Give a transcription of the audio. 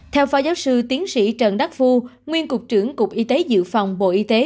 theo phó giáo sư tiến sĩ trần đắc phu nguyên cục trưởng cục y tế dự phòng bộ y tế